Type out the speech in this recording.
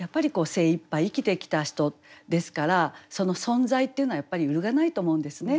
精いっぱい生きてきた人ですからその存在っていうのはやっぱり揺るがないと思うんですね。